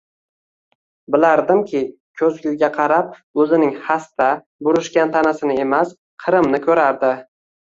Bilardimki, ko’zguga qarab o’zining xasta, burishgan tanasini emas, Qrimni ko’rardi.